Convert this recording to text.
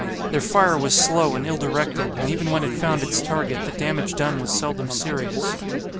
Their fire was slow and ill directed, and even when it found its target the damage done was seldom serious.